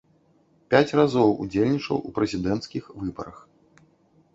Пяць разоў удзельнічаў у прэзідэнцкіх выбарах.